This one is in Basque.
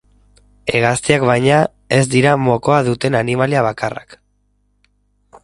Hegaztiak, baina, ez dira mokoa duten animalia bakarrak.